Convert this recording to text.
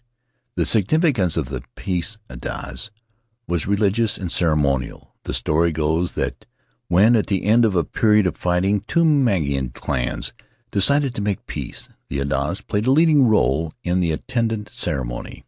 The significance of the Peace Adze was religious and ceremonial ; the story goes that when, at the end of a period of fighting, two Mangaian clans decided to make peace, the adze played a leading part in the attendant ceremony.